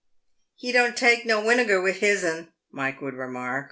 "He don't take no winegar with his'n," Mike would remark.